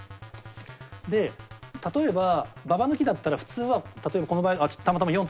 で例えばババ抜きだったら普通は例えばこの場合たまたま４と４がありますね。